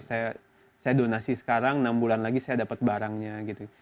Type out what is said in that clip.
saya donasi sekarang enam bulan lagi saya dapat barangnya gitu